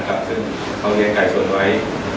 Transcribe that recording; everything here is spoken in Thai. เขาเรียนไก่ชนไว้